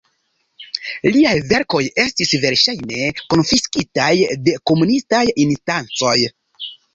Liaj verkoj estis verŝajne konfiskitaj de komunistaj instancoj.